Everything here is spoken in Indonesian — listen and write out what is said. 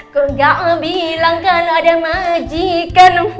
kau nggak bilang kalau ada majikan